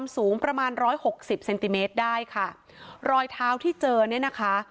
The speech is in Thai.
สูงประมาณร้อยหกสิบเซนติเมตรได้ค่ะรอยเท้าที่เจอเนี่ยนะคะ